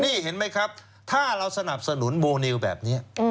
นี่เห็นไหมครับถ้าเราสนับสนุนโบนิวแบบนี้